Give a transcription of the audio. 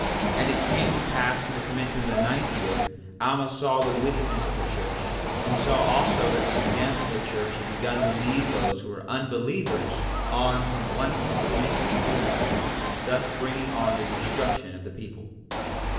4:11 And it came to pass in the commencement of the ninth year, Alma saw the wickedness of the church, and he saw also that the example of the church began to lead those who were unbelievers on from one piece of iniquity to another, thus bringing on the destruction of the people.